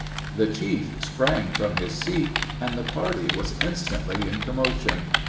The chief sprang from his seat, and the party was instantly in commotion.